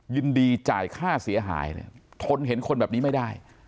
ยินดีจ่ายค่าเสียหายเนี่ยทนเห็นคนแบบนี้ไม่ได้